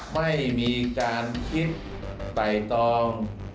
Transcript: ไม่มีการคิดไต่ตอง